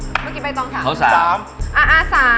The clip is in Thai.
เมื่อกี้ไปต้อง๓